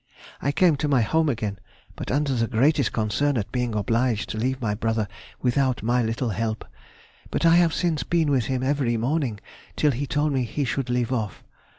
_—I came to my home again, but under the greatest concern at being obliged to leave my brother without my little help. But I have since been with him every morning till he told me he should leave off.